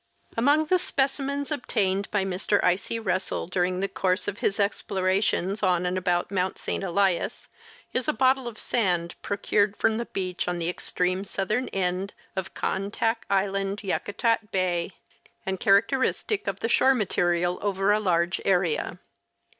Among the specimens obtained by Mr. I. C. Russell during the course of his explorations on and about Mount St. Elias is a bottle of sand procured from the beach on the extreme southern end of Khantaak island, Yakutat bay, and characteristic of the shore material over a large area.